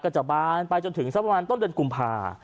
จะบานไปจนถึงสักประมาณต้นเดือนกุมภา